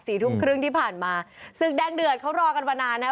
ทุ่มครึ่งที่ผ่านมาศึกแดงเดือดเขารอกันมานานนะ